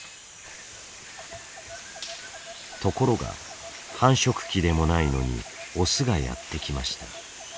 ところが繁殖期でもないのにオスがやって来ました。